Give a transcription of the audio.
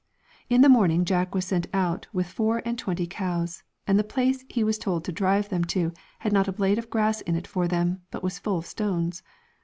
In the morning Jack was sent out with the four and twenty cows, and the place he was told to drive them to had not a blade of grass in it for them, but was full of stones.